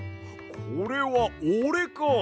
これはおれか！